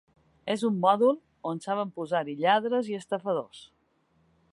És un mòdul on solen posar-hi lladres i estafadors.